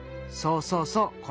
そうそうそう！